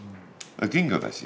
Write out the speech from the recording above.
金魚だし。